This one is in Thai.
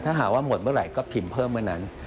ถ้าหาว่าหมดเมื่อไหร่ก็พิมพ์เพิ่มเมื่อนั้น